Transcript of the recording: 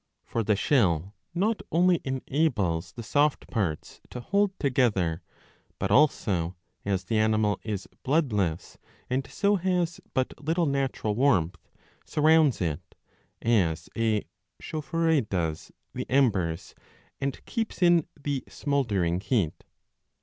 For the shell not only enables the soft parts to hold together, but also, as the animal is bloodless and so has but little natural warmth, surrounds it, as a chaufferette does the embers, and keeps in the smouldering heat.